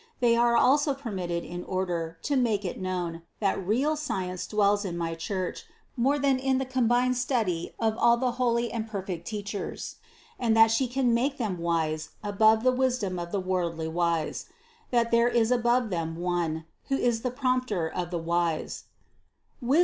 They are also permitted in order, to make it known, that real science dwells in my Church more than in the combined study of all the holy and perfect teachers, and that she can make them wise above the wisdom of the worldly wise; that there is above them One, who is the Prompter of the wise (Wis.